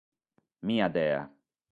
Mia Dea".